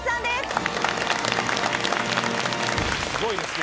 すごいですね。